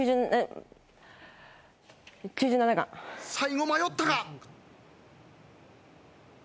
最後迷ったが。